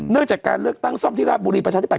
จากการเลือกตั้งซ่อมที่ราชบุรีประชาธิปัต